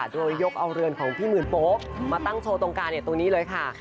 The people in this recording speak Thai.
โดยยกเอาเรือนของพี่หมื่นโป๊ปมาตั้งโชว์ตรงกลางตรงนี้เลยค่ะ